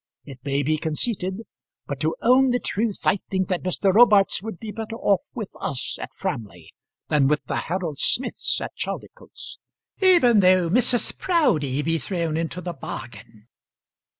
It may be conceited; but to own the truth, I think that Mr. Robarts would be better off with us at Framley than with the Harold Smiths at Chaldicotes, even though Mrs. Proudie be thrown into the bargain."